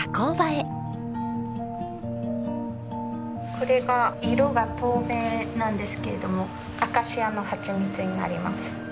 これが色が透明なんですけれどもアカシアのハチミツになります。